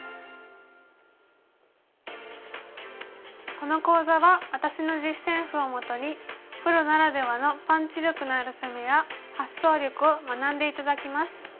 この講座は私の実戦譜をもとにプロならではのパンチ力のある攻めや発想力を学んで頂きます。